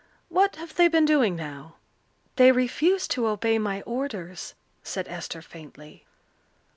What have they been doing now?" "They refuse to obey my orders," said Esther faintly.